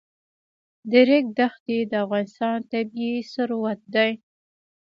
د ریګ دښتې د افغانستان طبعي ثروت دی.